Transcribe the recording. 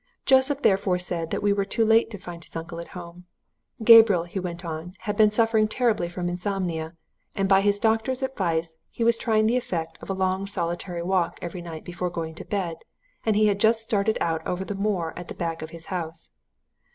Joseph therefore said that we were too late to find his uncle at home: Gabriel, he went on, had been suffering terribly from insomnia, and, by his doctor's advice, he was trying the effect of a long solitary walk every night before going to bed, and he had just started out over the moor at the back of his house.